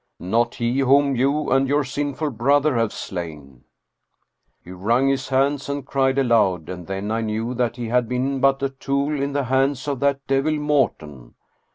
" Not he whom you and your sinful brother have slain." He wrung his hands and cried aloud, and then I knew that he had been but a tool in the hands of that devil, Morten.